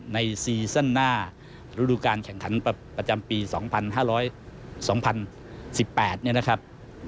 ซีซั่นหน้าฤดูการแข่งขันประจำปี๒๕๒๐๑๘เนี่ยนะครับ